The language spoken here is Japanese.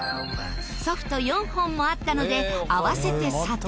ソフト４本もあったので合わせて査定。